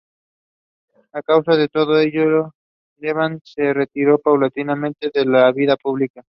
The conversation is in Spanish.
A causa de todo ello, Levant se retiró paulatinamente de la vida pública.